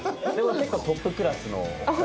結構トップクラスのお二人。